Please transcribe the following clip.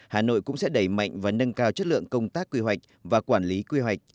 hà nội cũng sẽ đẩy mạnh và nâng cao chất lượng công tác quy hoạch và quản lý quy hoạch